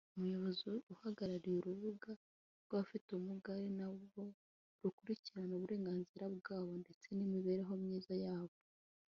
Umuyobozi uhagarariye urugaga rw’abafite ubumuga ari na rwo rukurikirana uburenganzira bwabo ndetse n’imibereho myiza yabo